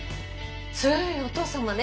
強いお父様ね。